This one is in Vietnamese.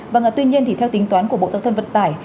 vâng tuy nhiên thì theo tính toán của bộ giáo thân vận tải